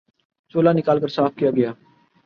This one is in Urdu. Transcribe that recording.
چولہا نکال کر صاف کیا گیا